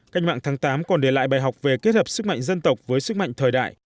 cách mạng tháng tám còn để lại bài học về kết hợp sức mạnh dân tộc với sức mạnh thời đại